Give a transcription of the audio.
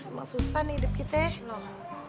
emang susah nih hidup kita ya